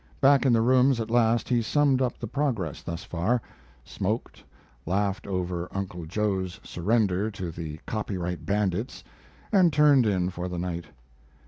Back in the rooms at last he summed up the progress thus far smoked, laughed over "Uncle Joe's" surrender to the "copyright bandits," and turned in for the night.